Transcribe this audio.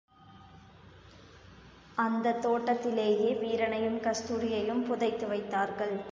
அந்தத் தோட்டத்திலேயே வீரனையும் கஸ்தூரியையும் புதைத்து வைத்தார்கள்.